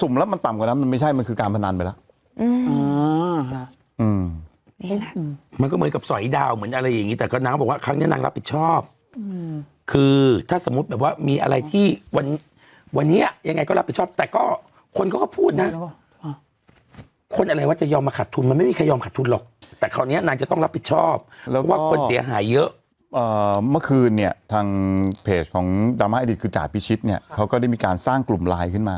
มันก็เหมือนกับสอยดาวเหมือนอะไรอย่างงี้แต่ก็นางบอกว่าครั้งเนี้ยนางรับผิดชอบอืมคือถ้าสมมุติแบบว่ามีอะไรที่วันวันเนี้ยยังไงก็รับผิดชอบแต่ก็คนเขาก็พูดน่ะคนอะไรว่าจะยอมมาขัดทุนมันไม่มีใครยอมขัดทุนหรอกแต่คราวเนี้ยนางจะต้องรับผิดชอบเพราะว่าคนเสียหายเยอะอ่าเมื่อคืนเนี้ยทางเพจของดรร